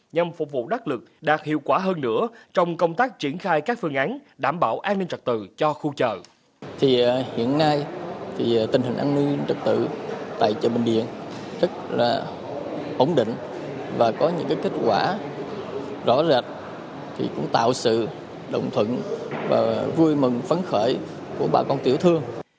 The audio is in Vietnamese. nhằm phục vụ đắc lực đạt hiệu quả hơn nữa trong công tác triển khai các phương án đảm bảo an ninh trật tự cho khu chợ